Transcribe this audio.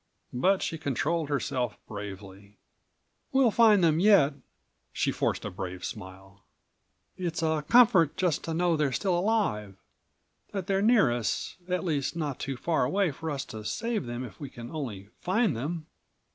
But she controlled herself bravely. "We'll find them yet," she forced a brave smile. "It's a comfort just to know they're still alive, that they're near us, at least not too far176 away for us to save them if we can only find them."